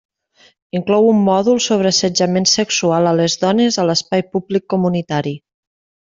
Inclou un mòdul sobre assetjament sexual a les dones a l'espai públic comunitari.